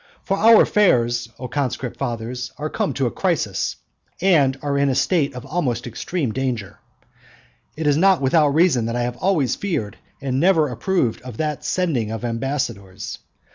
For our affairs, O conscript fathers, are come to a crisis, and are in a state of almost extreme danger. It is not without reason that I have always feared and never approved of that sending of ambassadors.